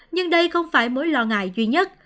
nhưng đây không phải mối lo ngại duy nhất